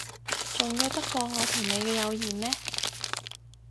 重要得過我同你嘅友誼咩？